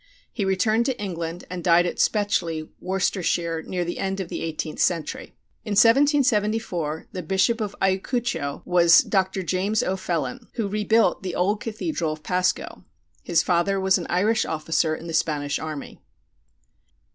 He returned to England and died at Spetchly, Worcestershire, near the end of the 18th century. In 1774 the bishop of Ayachucho was Dr. James O'Phelan, who rebuilt the old Cathedral of Pasco. His father was an Irish officer in the Spanish army.